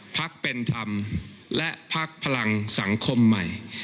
พักเป็นธรรมและพักพลังสังคมใหม่